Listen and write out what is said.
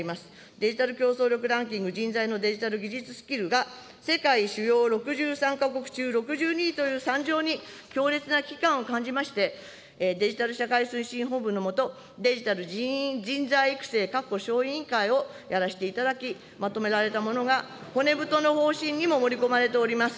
デジタル競争力ランキング・人材のデジタル・技術スキルが、世界主要６３か国中、６２位という惨状に、強烈な危機感を感じまして、デジタル社会推進本部の下、デジタル人員人材育成・確保小委員会をやらせていただいて、まとめられたものが、骨太の方針にも盛り込まれております。